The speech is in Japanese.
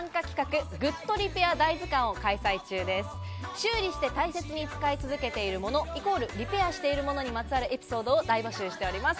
修理して大切に使い続けているものイコール、リペアしているものにまつわるエピソードを大募集しております。